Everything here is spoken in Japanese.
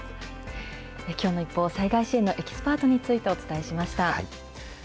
きょうのＩＰＰＯＵ、災害支援のエキスパートについてお伝えしました。